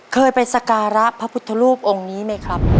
เคยไปสการะพระพุทธรูปองค์นี้ไหมครับ